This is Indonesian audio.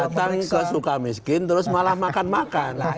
datang ke suka miskin terus malah makan makan